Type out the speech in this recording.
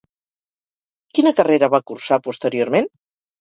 Quina carrera va cursar posteriorment?